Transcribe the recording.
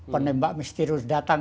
penembak misterius datang